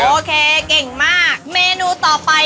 โอเคเก่งมากเมนูต่อไป